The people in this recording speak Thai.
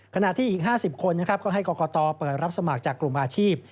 ขณะที่อีก๕๐คนนะครับก็ให้กรกตเปิดรับสมัครจากกลุ่มอาชีพ